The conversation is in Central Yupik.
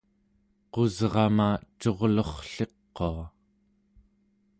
qusrama curlurrliqua